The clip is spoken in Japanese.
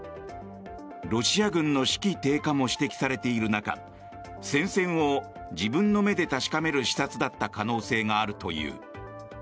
ロシア軍の士気低下も指摘されている中戦線を自分の目で確かめる視察だった可能性があるという。